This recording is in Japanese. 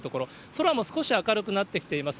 空も少し明るくなってきています。